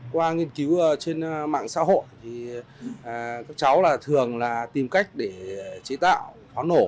qua nghiên cứu trên mạng xã hội thì các cháu là thường tìm cách để chế tạo pháo nổ